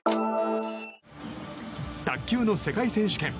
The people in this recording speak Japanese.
卓球の世界選手権。